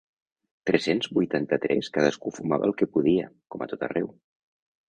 Tres-cents vuitanta-tres cadascú fumava el que podia, com a tot arreu.